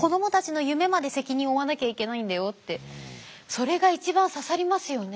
それが一番刺さりますよね。